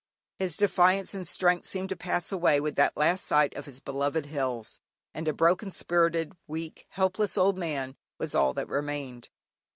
His defiance and strength seemed to pass away with that last sight of his beloved hills, and a broken spirited, weak, helpless, old man was all that remained.